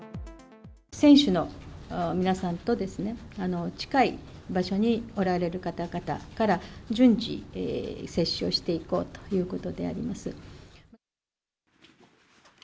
選手の皆さんと近い場所におられる方々から順次、接種をしていこうということであります。